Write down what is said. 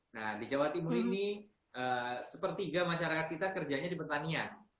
nah di jawa timur ini sepertiga masyarakat kita kerjanya di pertanian